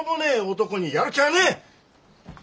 男にやる気ゃあねえ！